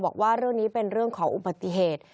บอกว่าเรื่องนี้เป็นเรื่องของอุบัติเหตุ